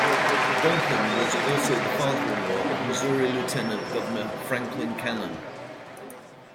Dunklin was also the father-in-law of Missouri Lieutenant Governor Franklin Cannon.